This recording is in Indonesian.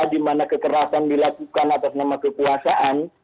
di mana kekerasan dilakukan atas nama kekuasaan